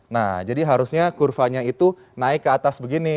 nah jadi harusnya kurvanya itu naik ke atas begini